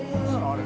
あれ。